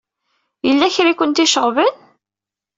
Yella kra ay kent-iceɣben?